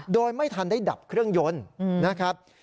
โดยไม่ทันได้ดับเครื่องยนต์นะครับ